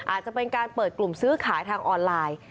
อาจจะเป็นการเปิดกลุ่มซื้อขายทางออนไลน์